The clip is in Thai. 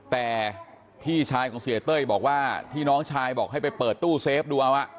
แต่พี่ชายของเสียเต้ยบอกว่าที่น้องชายบอกให้ไปเปิดตู้เซฟดูเอา